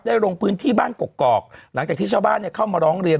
ลงพื้นที่บ้านกกอกหลังจากที่ชาวบ้านเข้ามาร้องเรียน